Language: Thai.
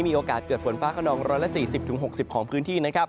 มีโอกาสเกิดฝนฟ้าขนอง๑๔๐๖๐ของพื้นที่